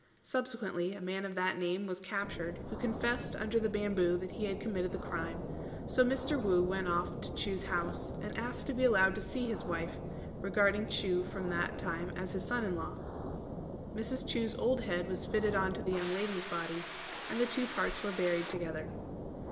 Subsequently, a man of that name was captured, who confessed under the bamboo that he had committed the crime; so Mr. Wu went off to Chu's house, and asked to be allowed to see his wife, regarding Chu from that time as his son in law. Mrs. Chu's old head was fitted on to the young lady's body, and the two parts were buried together.